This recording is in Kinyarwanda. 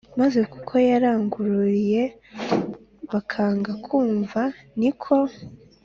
Maze kuko yaranguruye bakanga kumva ni ko